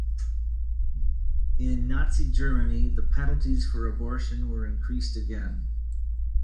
In Nazi Germany, the penalties for abortion were increased again.